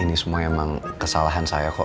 ini semua emang kesalahan saya kok